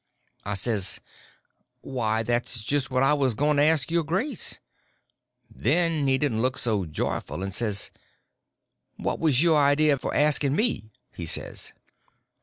I says: "Why, that's just what I was going to ask your grace." Then he didn't look so joyful, and says: "What was your idea for asking me?" he says.